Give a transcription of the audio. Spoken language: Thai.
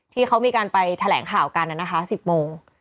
ที่เขามีการไปแถลงข่าวกันนะคะ๑๐โมง